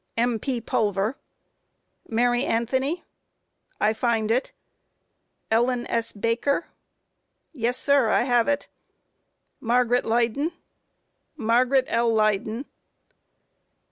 A. M.P. Pulver. Q. Mary Anthony? A. I find it. Q. Ellen S. Baker? A. Yes, sir; I have it. Q. Margaret Leyden? A. Margaret L. Leyden.